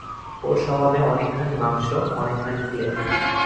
ওর স্বভাবে অনেকখানি মাংস, অনেকখানি ক্লেদ।